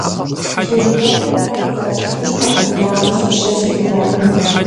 Си ныбжьэгъухэм фэ къызаплъыжынтэкъым, япэ сищрэ секӀужамэ.